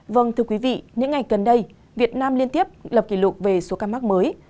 vâng thưa quý vị những ngày gần đây việt nam liên tiếp lập kỷ lục về số ca mắc mới